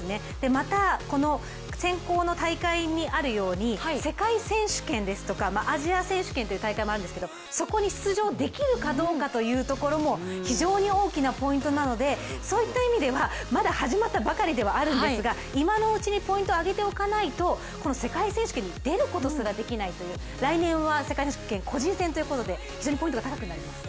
また、この選考の大会にあるように世界選手権ですとかアジア選手権という大会もあるんですけれどもそこに出場できるかどうかというところも非常に大きなポイントなのでそういった意味ではまだ始まったばかりではあるんですが今のうちにポイントをあげておかないと世界選手権に出ることすらできないという来年は世界選手権、個人戦ということで非常にポイントが高くなります。